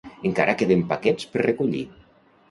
Encara queden paquets per recollir